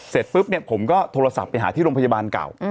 เสร็จปุ๊บเนี่ยผมก็โทรศัพท์ไปหาที่โรงพยาบาลเก่า